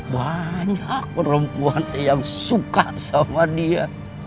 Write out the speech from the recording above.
banyak perempuan yang suka sama dia